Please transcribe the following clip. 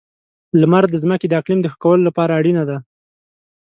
• لمر د ځمکې د اقلیم د ښه کولو لپاره اړینه ده.